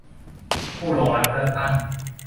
ผู้ลงรับเลือกตั้ง